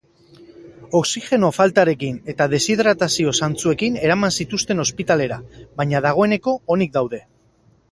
Oxigeno faltarekin eta deshidratazio zantzuekin eraman zituzten ospitalera, baina dagoeneko onik daude.